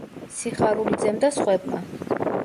სიხარულიძემ და სხვებმა.